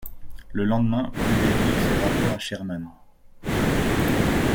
Le lendemain, Blueberry fait rapport à Sherman.